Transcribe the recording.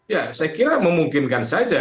ya saya kira memungkinkan saja